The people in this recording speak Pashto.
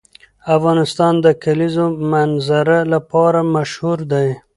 افغانستان د د کلیزو منظره لپاره مشهور دی.